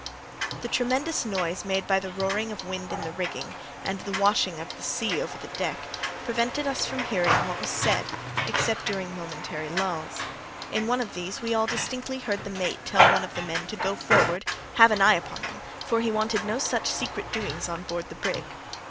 The tremendous noise made by the roaring of the wind in the rigging, and the washing of the sea over the deck, prevented us from hearing what was said, except during momentary lulls. In one of these, we all distinctly heard the mate tell one of the men to "go forward, have an eye upon them, for he wanted no such secret doings on board the brig."